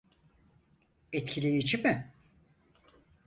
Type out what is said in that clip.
Etkileyici mi?